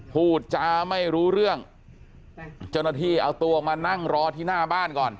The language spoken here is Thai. พูดจาไม่รู้เรื่องเจ้าหน้าที่เอาตัวออกมานั่งรอที่หน้าบ้านก่อน